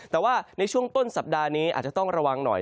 แต่ว่าในช่วงต้นสัปดาห์นี้อาจจะต้องระวังหน่อย